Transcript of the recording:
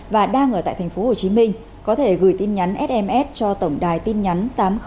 và đang ở tại tp hcm có thể gửi tin nhắn sms cho tổng đài tin nhắn tám nghìn sáu mươi sáu